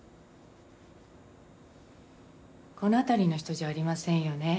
この辺りの人じゃありませんよね？